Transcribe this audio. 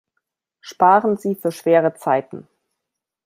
Sparen Sie für schwere Zeiten!